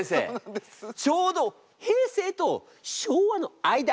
ちょうど平成と昭和の間！